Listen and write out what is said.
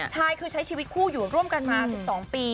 ใช่คือใช้ชีวิตคู่อยู่ร่วมกันมา๑๒ปี